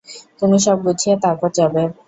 তুমি সব গুছিয়ে তারপর যাবে।